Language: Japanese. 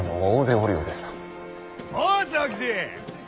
おう長吉！